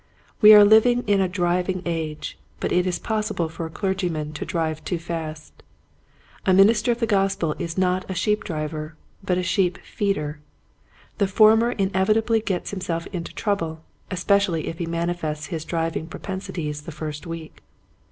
We are living in a driving age, but it is possible for a clergyman to drive too fast. A minister of the Gospel is not a sheep driver, but a sheep feeder. The for mer inevitably gets himself into trouble, especially if he manifests his driving pro pensities the first week.